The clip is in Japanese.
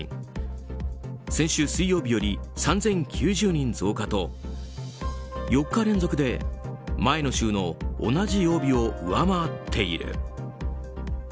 先週水曜日より３０９０人増加と４日連続で前の週の同じ曜日を上回っている。